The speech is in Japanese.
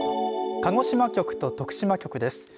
鹿児島局と徳島局です。